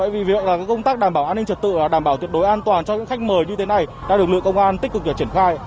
vì việc là công tác đảm bảo an ninh trật tự đảm bảo tuyệt đối an toàn cho những khách mời như thế này đã được lựa công an tích cực để triển khai